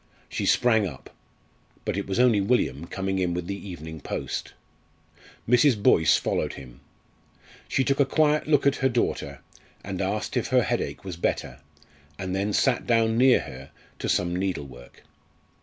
She sprang up. But it was only William coming in with the evening post. Mrs. Boyce followed him. She took a quiet look at her daughter, and asked if her headache was better, and then sat down near her to some needlework.